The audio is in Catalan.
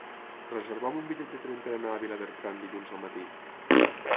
Reserva'm un bitllet de tren per anar a Vilabertran dilluns al matí.